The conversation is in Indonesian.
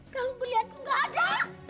kalung belianku gak ada